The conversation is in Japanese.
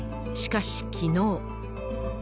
しかし、きのう。